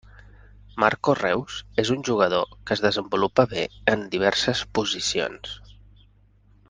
Marco Reus, és un jugador que es desenvolupa bé en diverses posicions.